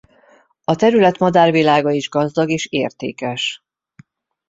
A terület madárvilága is gazdag és értékes.